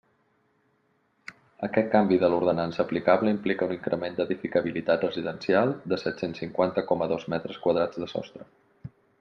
Aquest canvi de l'ordenança aplicable implica un increment d'edificabilitat residencial de set-cents cinquanta coma dos metres quadrats de sostre.